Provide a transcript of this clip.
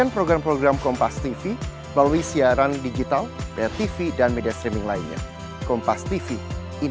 pasti nanti di ujung ujung